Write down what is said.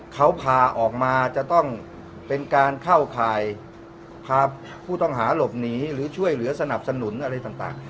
เขาพาออกมาจะต้องเป็นการเข้าข่ายพาผู้ต้องหาหลบหนีหรือช่วยเหลือสนับสนุนอะไรต่าง